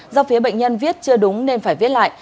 do phía bệnh nhân viết chưa đúng nên phải viết lại